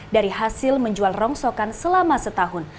dari hasil menjual rongsokan selama setahun